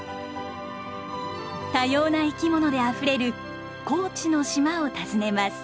多様な生き物であふれる高知の島を訪ねます。